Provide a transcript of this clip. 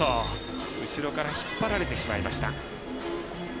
後ろから引っ張られてしまいました。